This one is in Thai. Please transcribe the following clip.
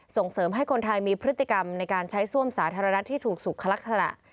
ส่งเสริมให้คนไทยมีพฤติกรรมในการใช้ซ่วมสาธารณะที่ถูกสุขลักษณะ